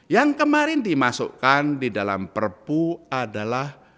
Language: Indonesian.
yang kemarin dimasukkan di dalam perpu adalah